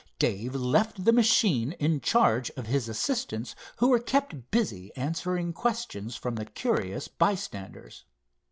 Dave left the machine in charge of his assistants, who were kept busy answering questions from the curious bystanders.